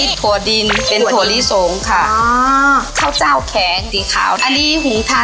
ซึ่งเป็นแบบของขึ้นชื่อของร้านเนอะคุณแม่